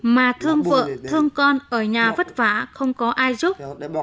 mà thương vợ thương con ở nhà vất vả không có ai giúp